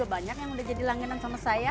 banyak yang udah jadi langganan sama saya